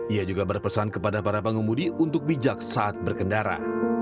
ia juga berpesan kepada para pengemudi untuk bijak saat berkendara